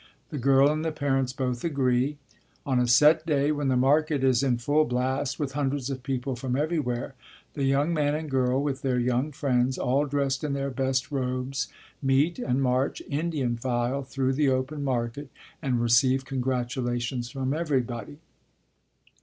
The girl and the parents both agree. On a set day when the market is in full blast, with hundreds of people from everywhere, the young man and girl, with their young friends, all dressed in their best robes, meet and march Indian file through the open market and receive congratulations from everybody.